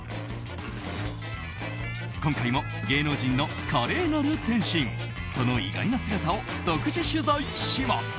今回も芸能人の華麗なる転身その意外な姿を独自取材します。